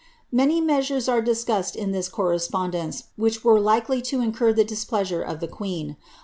Many measures are discussed in this correspondence, which w£re likely to incur the displeasure of the queen.